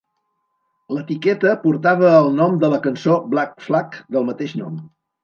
L'etiqueta portava el nom de la cançó Black Flag del mateix nom.